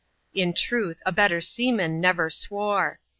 In truth, a better seaman never swore.